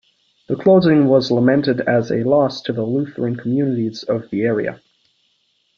The closing was lamented as a loss to the Lutheran communities of the area.